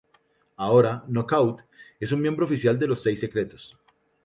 Ahora, Knockout es un miembro oficial de los Seis Secretos.